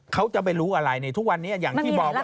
เขาจะไปรู้อะไรในทุกวันนี้อย่างที่บอกว่า